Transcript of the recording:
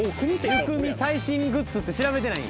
「湯くみ最新グッズ」って調べてないん？